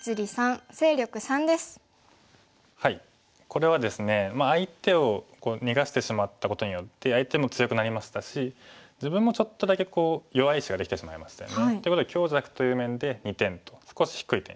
これはですね相手を逃がしてしまったことによって相手も強くなりましたし自分もちょっとだけ弱い石ができてしまいましたよね。ということで強弱という面で２点と少し低い点数。